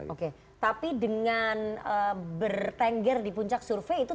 oke tapi dengan bertengger di puncak survei itu